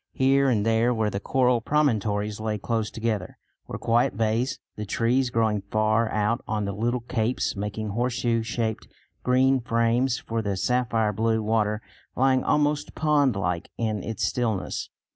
Here and there, where the coral promontories lay close together, were quiet bays, the trees growing far out on the little capes making horseshoe shaped green frames for the sapphire blue water lying almost pond like in its stillness.